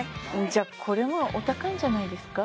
じゃあこれもお高いんじゃないですか？